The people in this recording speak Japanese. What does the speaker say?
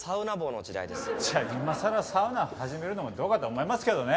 じゃあ今さらサウナ始めるのもどうかと思いますけどね。